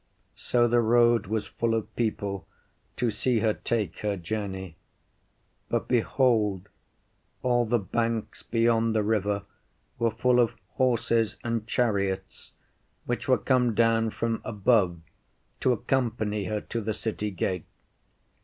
So the road was full of people to see her take her journey. But behold, all the banks beyond the river were full of horses and chariots, which were come down from above to accompany her to the city gate.